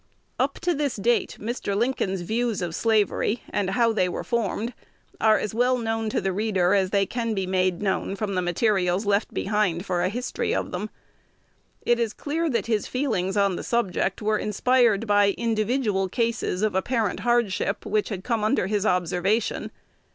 Up to this date, Mr. Lincoln's views of slavery, and how they were formed, are as well known to the reader as they can be made known from the materials left behind for a history of them. It is clear that his feelings on the subject were inspired by individual cases of apparent hardship which had come under his observation.